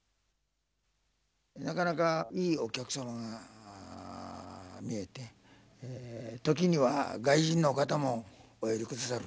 なかなかいいお客様が見えて時には外人のお方もお寄りくださる。